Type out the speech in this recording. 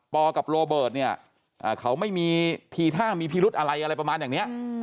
กับโรเบิร์ตเนี่ยเขาไม่มีทีท่ามีพิรุธอะไรอะไรประมาณอย่างนี้